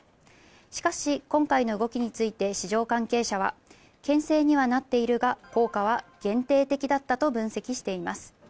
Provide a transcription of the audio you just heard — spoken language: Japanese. しかし、今回の動きについて市場関係者は、けん制にはなっているが、効果は限定的だったと分析しています。